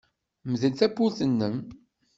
Mdel tawwurt-nnem.